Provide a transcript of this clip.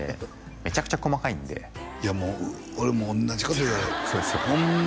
めちゃくちゃ細かいんで俺も同じこと言われるそうですよねホンマ